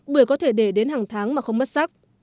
bưởi có thể để đến hàng tháng mà không mất sắc